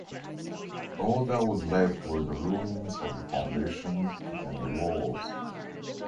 All that was left were the ruins of the foundation and the walls.